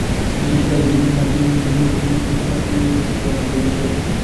কিন্তু শেখর তাহার প্রতি কিছুমাত্র মনোযোগ না করিয়া অটলভাবে বসিয়া রহিলেন।